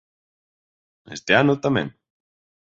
Este ano tamén